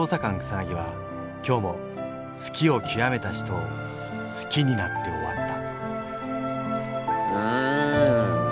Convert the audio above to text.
草は今日も好きをきわめた人を好きになって終わったうん！